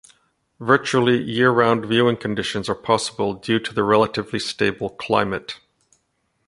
Virtually year-round viewing conditions are possible due to the relatively stable climate.